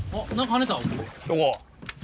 どこ？